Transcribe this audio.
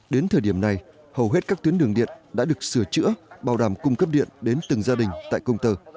đến thời điểm này hầu hết các tuyến đường điện đã được sửa chữa bảo đảm cung cấp điện đến từng gia đình tại công tơ